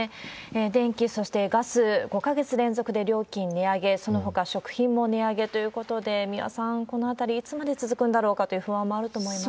電気、そしてガス、５か月連続で料金値上げ、そのほか食品も値上げということで、三輪さん、このあたりいつまで続くんだろうかという不安もあると思います。